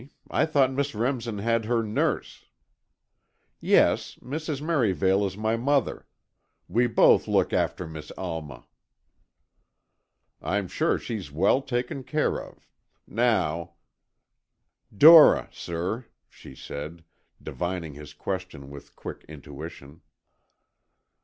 I thought Miss Remsen had her nurse——" "Yes. Mrs. Merivale is my mother. We both look after Miss Alma." "I'm sure she's well taken care of. Now——" "Dora, sir," she said, divining his question with quick intuition.